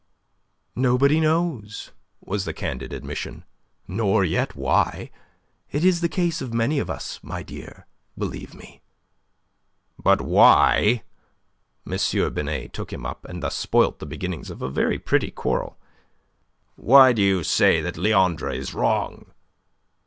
"Nobody knows," was the candid admission. "Nor yet why. It is the case of many of us, my dear, believe me." "But why" M. Binet took him up, and thus spoilt the beginnings of a very pretty quarrel "why do you say that Leandre is wrong?"